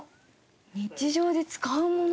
日常で使うもの？